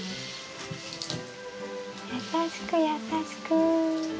優しく優しく。